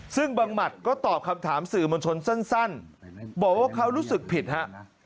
ซึ่งบังหมัดก็ตอบคำถามสื่อมวลชนสั้นบอกว่าเขารู้สึกผิดฮะ